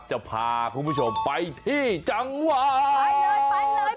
จะพาคุณผู้ชมไปที่จังหวัด